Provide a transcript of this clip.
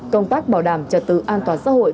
công tác bảo đảm trật tự an toàn xã hội